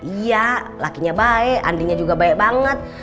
iya lakinya baik andinya juga baik banget